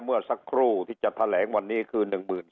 เมื่อสักครู่ที่จะแถลงวันนี้คือ๑๖๐